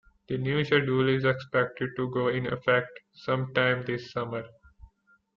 The new schedule is expected to go in effect some time this summer.